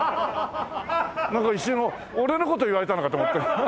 なんか一瞬俺の事言われたのかと思ったよ。